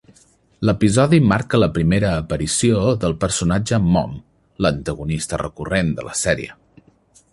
L'episodi marca la primera aparició del personatge Mom, l'antagonista recurrent de la sèrie.